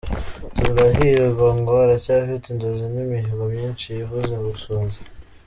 Turahirwa ngo aracyafite inzozi n’imihigo myinshi yihuza gusohoza.